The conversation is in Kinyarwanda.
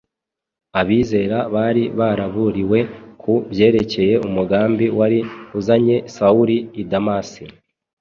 Abizera bari baraburiwe ku byerekeye umugambi wari uzanye Sawuli i Damasi,